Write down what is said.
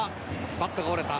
「バットが折れた。